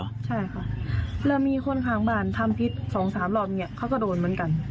ใช่ครับแล้วมีคนข้างบ้านทำผิด๒๓หลบเขาก็โดนเหมือนกัน